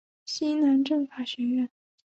西南政法学院。